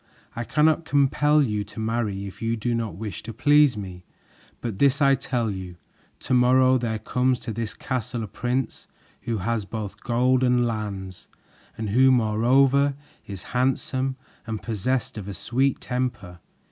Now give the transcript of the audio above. I cannot compel you to marry if you do not wish to please me; but this I tell you. To morrow there comes to this castle a prince who has both gold and lands, and who moreover is handsome and possessed of a sweet temper.